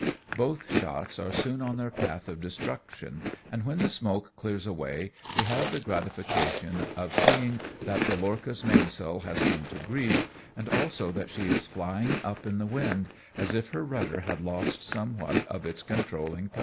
Both shots are soon on their path of destruction, and when the smoke clears away we have the gratification of seeing that the lorcha's mainsail has come to grief, and also that she is flying up in the wind, as if her rudder had lost somewhat of its controlling power.